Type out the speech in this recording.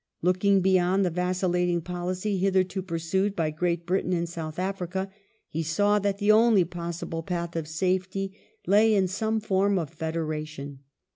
Looking beyond the vacillat ing policy hitherto pursued by Great Britain in South Africa, he saw that the only possible path of safety lay in some form of fed eration.